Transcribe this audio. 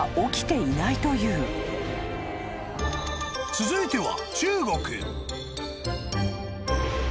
［続いては］